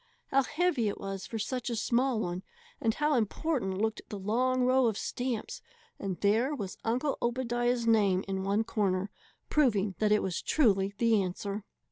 How heavy it was for such a small one, and how important looked the long row of stamps; and there was Uncle Obadiah's name in one corner, proving that it was truly the answer!